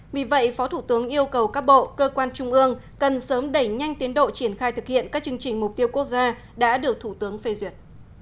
vì vậy phó thủ tướng yêu cầu các bộ cơ quan trung ương cần sớm đẩy nhanh tiến độ triển khai thực hiện các chương trình mục tiêu quốc gia đã được thủ tướng phê duyệt